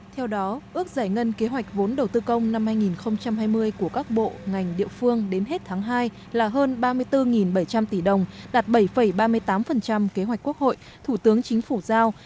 theo đó ước giải ngân kế hoạch vốn đầu tư công năm hai nghìn hai mươi của các bộ ngành địa phương đến hết tháng hai là hơn ba mươi bốn bảy trăm linh tỷ đồng đạt bảy ba mươi tám kế hoạch quốc hội thủ tướng chính phủ giao